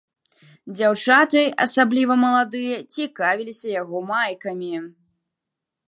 Дзяўчаты, асабліва маладыя, цікавіліся яго майкамі.